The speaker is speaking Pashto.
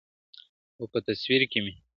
او په تصوير كي مي,